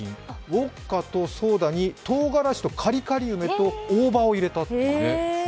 ウォッカとソーダにとうがらしとカリカリ梅と大葉を入れたというね。